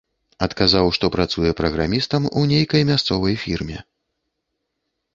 Адказаў, што працуе праграмістам у нейкай мясцовай фірме.